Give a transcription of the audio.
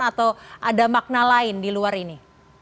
atau ada makna lain di luar ini